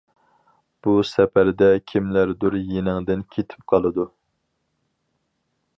بۇ سەپەردە كىملەردۇر يېنىڭدىن كېتىپ قالىدۇ.